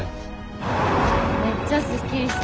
めっちゃすっきりした。